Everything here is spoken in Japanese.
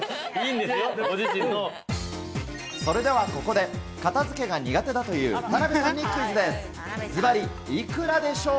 それではここで片付けが苦手だという田辺さんにクイズです。